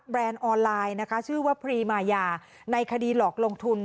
ออนไลน์นะคะชื่อว่าพรีมายาในคดีหลอกลงทุน